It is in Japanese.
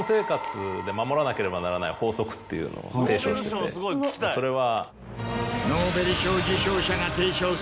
っていうのを提唱しててそれは。